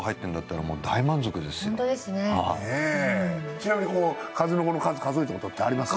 ちなみに数の子の数数えたことってあります？